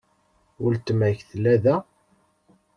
Weltma-k tella da?